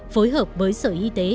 phối hợp với sở y tế